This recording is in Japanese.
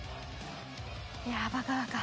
「いやバカバカ。